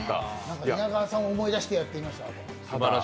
稲川さんを思い出しながらやってました。